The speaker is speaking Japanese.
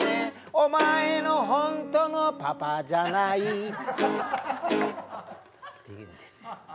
「おまえの本当のパパじゃない」って言うんですよ。